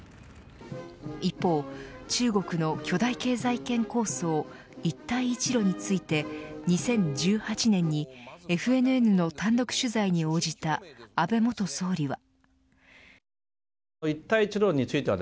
一方、中国の巨大経済圏構想一帯一路について２０１８年にＦＮＮの単独取材に応じた安倍元総理は。